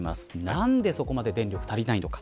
なんでそこまで電力、足りないのか。